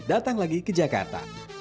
datang lagi ke jakarta